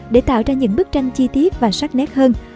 để tạo ra những bức tranh chi tiết và sắc nét hơn